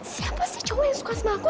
siapa sih cuma yang suka sama aku